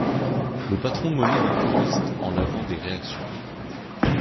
Le patron monnaie des choristes en lavant des réactions.